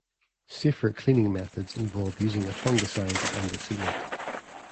Safer cleaning methods involve using a fungicide and a sealant.